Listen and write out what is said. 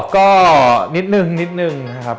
ก็นิดนึงครับ